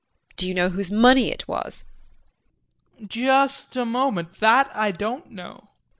JULIE. Do you know whose money it was? JEAN. Just a moment, that I don't know.